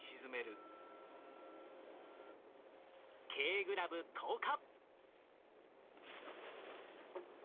Ｋグラブ投下！